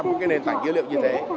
một nền tảng dữ liệu như thế